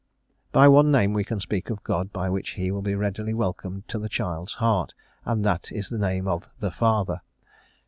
By one name we can speak of God by which He will be readily welcomed to the child's heart, and that is the name of the Father.